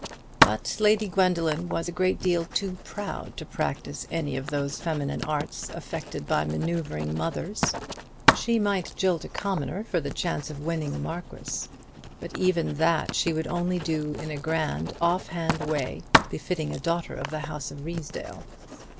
But Lady Gwendoline was a great deal too proud to practise any of those feminine arts affected by manoeuvring mothers. She might jilt a commoner for the chance of winning a marquis; but even that she would only do in a grand off hand way befitting a daughter of the house of Ruysdale.